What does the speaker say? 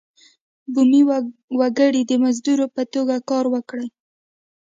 بومي وګړي د مزدور په توګه کار وکړي.